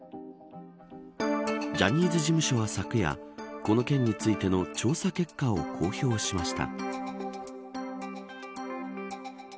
ジャニーズ事務所は昨夜この件についての調査結果を公表しました。